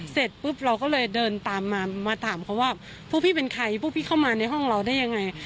เสร็จปุ๊บเราก็เลยเดินตามมามาถามเขาว่าพวกพี่เป็นใครพวกพี่เข้ามาในห้องเราได้ยังไง